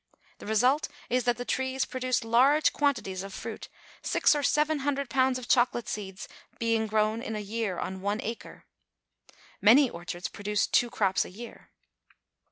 The result is that the trees produce large quantities of fruit, six or seven hundred pounds of chocolate seeds be ing grown in a year on one acre. Many orchards produce two crops a year.